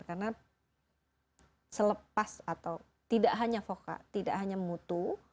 karena selepas atau tidak hanya fokal tidak hanya mutu